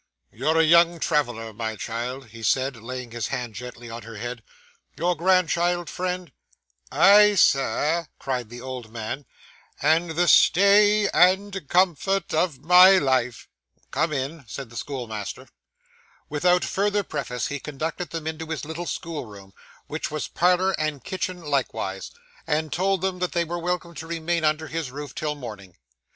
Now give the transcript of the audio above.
'You're a young traveller, my child,' he said, laying his hand gently on her head. 'Your grandchild, friend?' 'Aye, Sir,' cried the old man, 'and the stay and comfort of my life.' 'Come in,' said the schoolmaster. Without further preface he conducted them into his little school room, which was parlour and kitchen likewise, and told them that they were welcome to remain under his roof till morning.